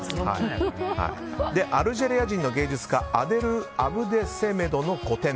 アルジェリア人芸術家アデル・アブデセメドの個展